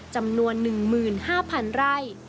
จำนวน๑๕๐๐๐ไร่